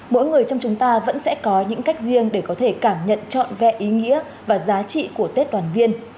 mỗi người trong chúng ta vẫn sẽ có những cách riêng để có thể cảm nhận trọn vẹn ý nghĩa và giá trị của tết đoàn viên